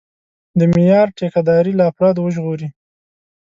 د معیار ټیکهداري له افرادو وژغوري.